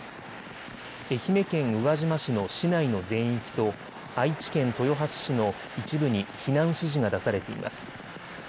愛媛県宇和島市の市内の全域と愛知県豊橋市の一部に避難指示が出されています。